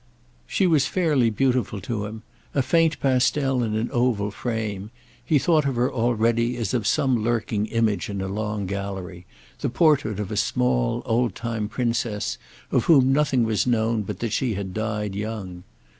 She was fairly beautiful to him—a faint pastel in an oval frame: he thought of her already as of some lurking image in a long gallery, the portrait of a small old time princess of whom nothing was known but that she had died young.